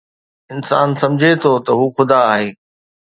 انسان سمجهي ٿو ته هو خدا آهي